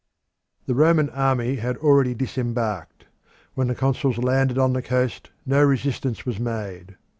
The Roman army had already disembarked. When the consuls landed on the coast no resistance was made.